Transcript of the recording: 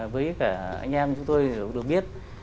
với cả anh em chúng tôi được biết